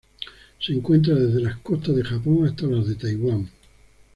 Se encuentra desde las costas de Japón hasta las de Taiwán.